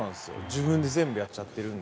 自分で全部やっちゃってるので。